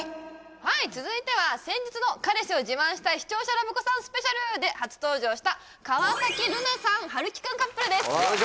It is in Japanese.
はい続いては先日の「彼氏を自慢したい」「視聴者ラブ子さんスペシャル」で初登場した川崎瑠奈さん晴生くんカップルですおお！